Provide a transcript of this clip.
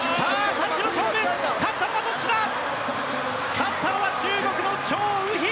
勝ったのは中国チョウ・ウヒ！